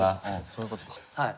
そういうことか。